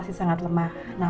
setengah waktu kotanya